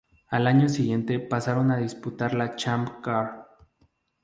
Al año siguiente pasaron a disputar la Champ Car.